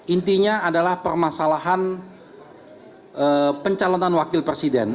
intinya adalah permasalahan pencalonan wakil presiden